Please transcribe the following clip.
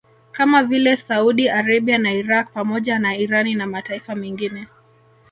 Kama vile Saudi Arabia na Iraq pamoja na Irani na mataifa mengine